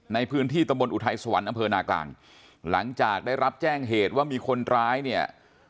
ในพื้นที่ตำบลอุทัยสวรรค์อำเภอนากลางหลังจากได้รับแจ้งเหตุว่ามีคนร้ายเนี่ย